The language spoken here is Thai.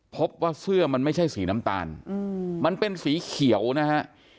พบว่าเสื้อมันไม่ใช่สีน้ำตาลมันเป็นสีเขียวนะฮะ